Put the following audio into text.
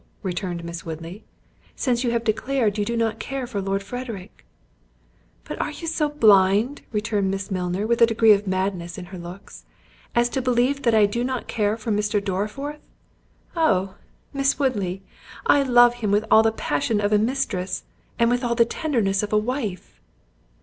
returned Miss Woodley, "since you have declared you do not care for Lord Frederick?" "But are you so blind," returned Miss Milner with a degree of madness in her looks, "as to believe I do not care for Mr. Dorriforth? Oh! Miss Woodley! I love him with all the passion of a mistress, and with all the tenderness of a wife."